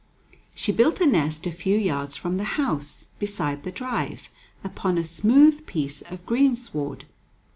She built a nest a few yards from the house, beside the drive, upon a smooth piece of greensward.